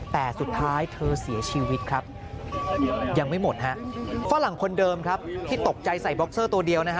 แต่สุดท้ายเธอเสียชีวิตครับยังไม่หมดฮะฝรั่งคนเดิมครับที่ตกใจใส่บ็อกเซอร์ตัวเดียวนะฮะ